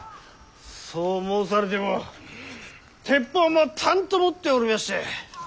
そう申されても鉄砲もたんと持っておりまして。